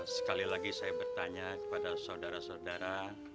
sekali lagi saya bertanya kepada saudara saudara